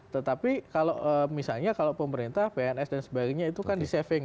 tetapi kalau misalnya kalau pemerintah pns dan sebagainya itu kan di saving